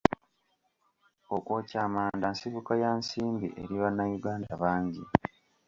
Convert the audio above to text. Okwokya amanda nsibuko ya nsimbi eri bannayuganda bangi.